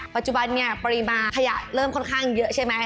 ปัจจุบันเนี่ยปริมาณขยะเริ่มค่อนข้างเยอะใช่ไหม